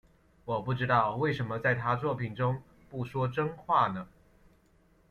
我不知道为什么在他作品中不说真话呢？